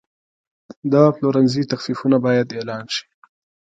د پلورنځي تخفیفونه باید اعلان شي.